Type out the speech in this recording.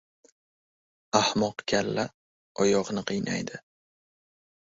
• Ahmoq kalla oyoqni qiynaydi.